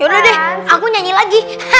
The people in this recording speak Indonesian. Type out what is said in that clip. ya udah deh aku nyanyi lagi